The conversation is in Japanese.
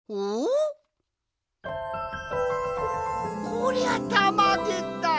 こりゃたまげた！